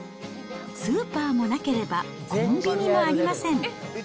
スーパーもなければ、コンビニもありません。